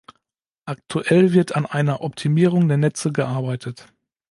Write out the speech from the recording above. Aktuell wird an einer Optimierung der Netze gearbeitet.